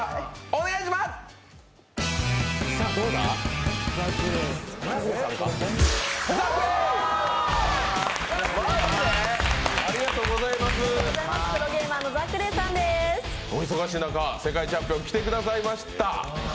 お忙しい中、世界チャンピオン来てくださいました。